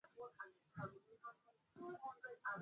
Wa gharama shilingi bilioni mpja kwa pesa za Uiongereza